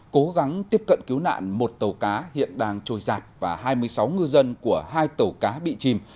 cố gắng tiếp cận cứu nạn một tàu cá hiện đang trôi giạt và hai mươi sáu ngư dân của hai tàu cá bị chìm